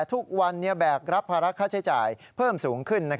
ทุกวันแบกรับภาระค่าใช้จ่ายเพิ่มสูงขึ้น